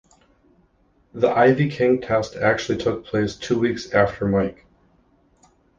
The Ivy King test actually took place two weeks after Mike.